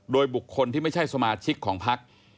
โดยบุคคลที่ไม่ใช่สมาชิกของพัก